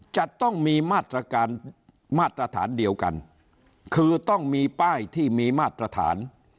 จะต้องมีมาตรการมาตรฐานเดียวกันคือต้องมีป้ายที่มีมาตรฐาน